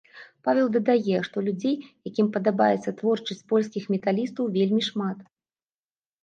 Павел дадае, што людзей, якім падабаецца творчасць польскіх металістаў, вельмі шмат.